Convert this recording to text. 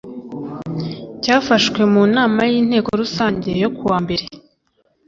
cyafashwe mu nama y Inteko rusange yo ku wa mbere